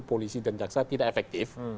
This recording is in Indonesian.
polisi dan jaksa tidak efektif